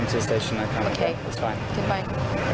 รอดที่สวนคล์นัทคอนบานนำหมายสารจังหวัดเชียงใหม่